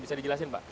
bisa dijelasin pak